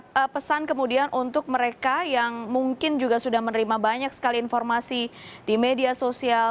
ada pesan kemudian untuk mereka yang mungkin juga sudah menerima banyak sekali informasi di media sosial